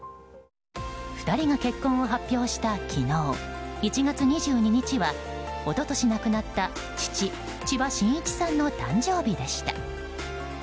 ２人が結婚を発表した昨日１月２２日は一昨年、亡くなった父・千葉真一さんの誕生日でした。